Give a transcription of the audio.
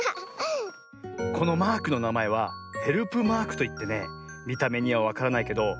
このマークのなまえはヘルプマークといってねみためにはわからないけどじつはしょうがいがあったりして